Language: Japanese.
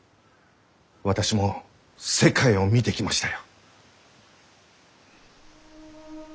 私も世界を見てきましたよ。